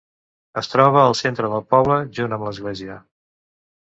Es troba al centre del poble, junt amb l'església.